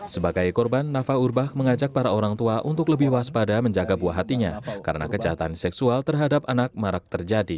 sebagai korban nafa urbah mengajak para orang tua untuk lebih waspada menjaga buah hatinya karena kejahatan seksual terhadap anak marak terjadi